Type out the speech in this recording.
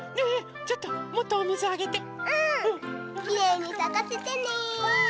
きれいにさかせてね。